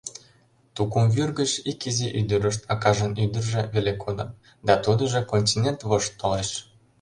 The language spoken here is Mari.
Тукымвӱр гыч ик изи ӱдырышт, акажын ӱдыржӧ, веле кодын, да тудыжо континент вошт толеш!